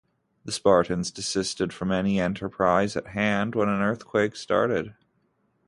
The Spartans desisted from any enterprise at hand when an earthquake started.